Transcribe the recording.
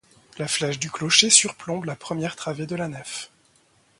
La flèche du clocher surplombe la première travée de la nef.